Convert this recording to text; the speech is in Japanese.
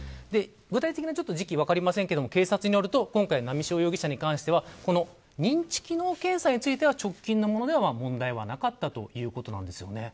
具体的な時期は分かりませんが、警察によると今回、波汐容疑者に関しては認知機能検査に関しては直近のものでは問題はなかったということなんです。